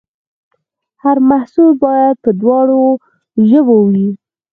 هر محصول باید په دواړو ژبو وي.